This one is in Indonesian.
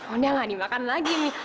oh dia gak dimakan lagi nih